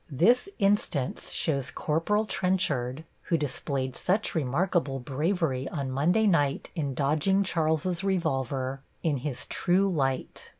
This instance shows Corporal Trenchard, who displayed such remarkable bravery on Monday night in dodging Charles's revolver, in his true light.